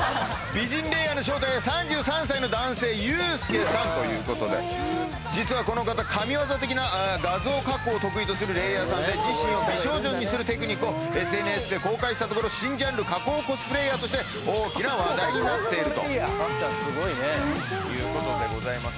美人レイヤーの正体は３３歳の男性ゆうすけさんということで実はこの方神業的な画像加工を得意とするレイヤーさんで自身を美少女にするテクニックをＳＮＳで公開したところ新ジャンル加工コスプレイヤーとして大きな話題になっているということでございます